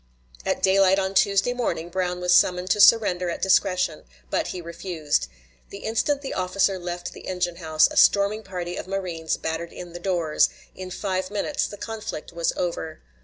At daylight on Tuesday morning Brown was summoned to surrender at discretion, but he refused. The instant the officer left the engine house a storming party of marines battered in the doors; in five minutes the conflict was over.